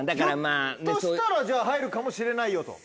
ひょっとしたらじゃあ入るかもしれないよと。